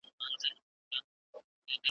کچکول به یوسو تر خیراتونو .